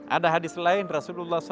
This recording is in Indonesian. ada hadis lain rasulullah saw